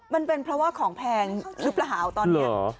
มันเป็นเพราะว่าของแพงหรือเปล่าตอนนี้